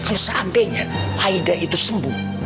kalau seandainya aida itu sembuh